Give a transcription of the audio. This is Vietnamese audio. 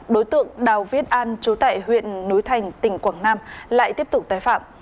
đối tượng đào viết an trú tại huyện núi thành tỉnh quảng nam lại tiếp tục tái phạm